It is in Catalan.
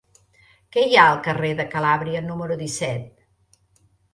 Què hi ha al carrer de Calàbria número disset?